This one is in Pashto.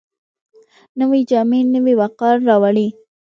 نوې جامې نوی وقار راوړي